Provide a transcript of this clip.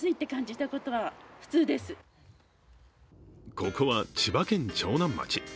ここは、千葉県長南町。